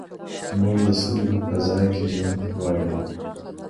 موږ د سولې په فضا کي ژوند غواړو.